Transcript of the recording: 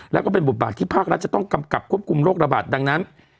แล้วก็เป็นบทบาทที่ภาครัฐจะต้องกำกับควบคุมโรคระบาดดังนั้น